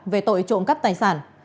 về tội trộm cắt tài sản